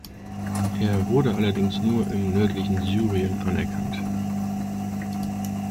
Er wurde allerdings nur im nördlichen Syrien anerkannt.